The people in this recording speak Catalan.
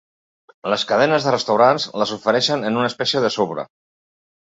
Les cadenes de restaurants les ofereixen en una espècie de sobre.